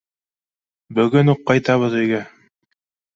Бөгөн үк ҡайтабыҙ өйгә.